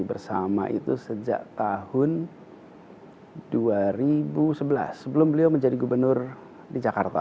hai sama itu sejak tahun dua ribu sebelas sebelum beliau menjadi gubernur di jakarta